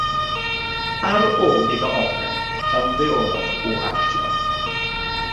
Ar ôl iddo orffen ymddeolodd o actio.